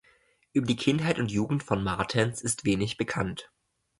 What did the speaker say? Über die Kindheit und Jugend von Martens ist wenig bekannt.